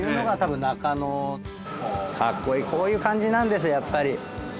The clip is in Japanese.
かっこいいこういう感じなんですよやっぱり。